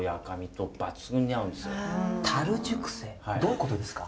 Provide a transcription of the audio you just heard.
どういうことですか？